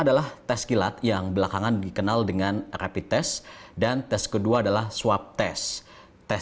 adalah tes kilat yang belakangan dikenal dengan rapid test dan tes kedua adalah swab test